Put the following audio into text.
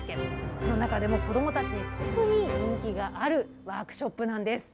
その中でも子どもたちに特に人気があるワークショップなんです。